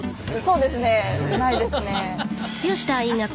そうですねないですね。